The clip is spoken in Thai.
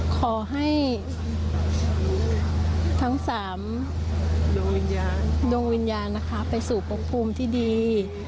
ขอให้ทั้ง๓ดวงวิญญาณนะคะไปสู่ปกภูมิที่ดี